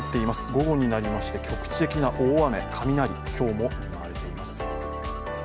午後になりまして局地的な大雨、雷、今日も見舞われています。